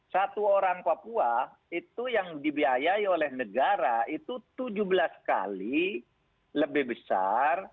satu orang papua itu yang dibiayai oleh negara itu tujuh belas kali lebih besar